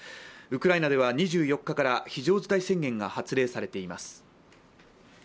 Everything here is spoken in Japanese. ウクライナでは２４日から非常事態宣言が発令されています。